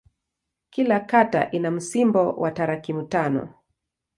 Kila kata ina msimbo wa tarakimu tano.